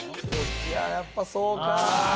「いややっぱそうか」